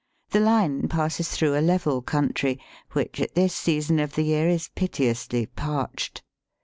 The line passes through a level country, which at this season of the year is piteously parched.